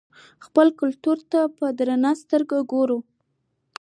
خپل کلتور ته په درنه سترګه وګورئ.